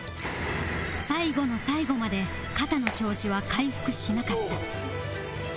最後の最後まで肩の調子は回復しなかった